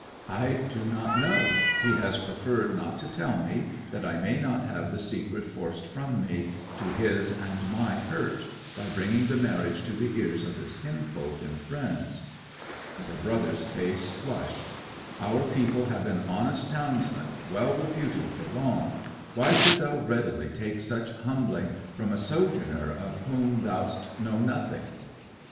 'I do not know. He has preferred not to tell me, that I may not have the secret forced from me, to his and my hurt, by bringing the marriage to the ears of his kinsfolk and friends.' Her brother's face flushed. 'Our people have been honest townsmen, well reputed for long; why should you readily take such humbling from a sojourner of whom th' 'st know nothing?'